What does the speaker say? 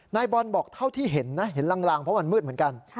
นายบอลบอกเท่าที่เห็นนะเห็นลางเพราะมันมืดเหมือนกัน